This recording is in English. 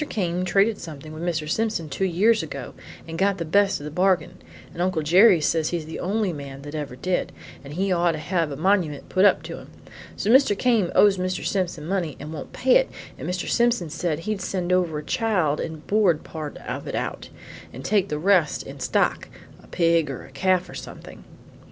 Came traded something with Mr. Simpson two years ago and got the best of the bargain, and Uncle Jerry says he's the only man that ever did, and he ought to have a monument put up to him. So Mr. Came owes Mr. Simpson money and won't pay it, and Mr. Simpson said he'd send over a child and board part of it out, and take the rest in stock a pig or a calf or something."